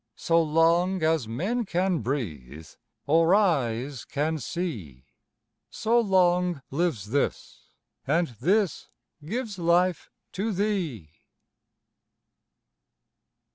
So long as men can breathe, or eyes can see, So long lives this, and this gives life to thee.